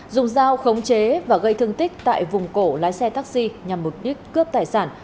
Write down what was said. dùng dao khống chế và gây thương tích tại vùng cổ lái xe taxi nhằm mục đích cướp tài sản